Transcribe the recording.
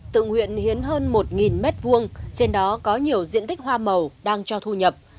tự nguyện hiến hơn một mét vuông trên đó có nhiều diện tích hoa màu đang cho thu nhập